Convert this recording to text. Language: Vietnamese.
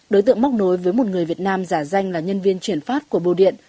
đối tượng móc nối với một người việt nam giả danh là nhân viên chuyển phát của bưu điện